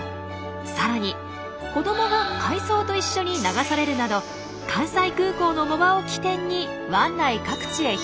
さらに子どもが海藻と一緒に流されるなど関西空港の藻場を起点に湾内各地へ広がります。